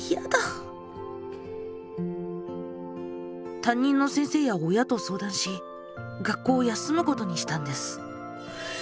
担任の先生や親と相談し学校を休むことにしたんです。